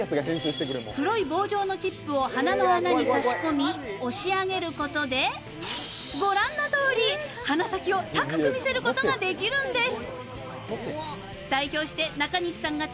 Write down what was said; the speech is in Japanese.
黒い棒状のチップを鼻の穴に差し込み押し上げることで、御覧のとおり、鼻先を高く見せることができるんです。